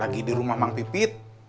lagi di rumah bang pipit